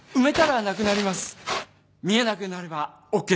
見えなくなればＯＫです。